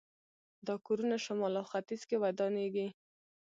دا کورونه شمال او ختیځ کې ودانېږي.